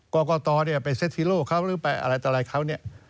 กรทไปเซตฮิโร่เขาหรือไปอะไรตลาดเขาเนี่ย